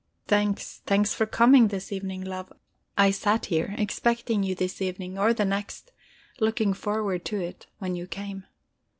Thanks, thanks for coming this evening, love. I sat here, expecting you this evening, or the next, looking forward to it, when you came."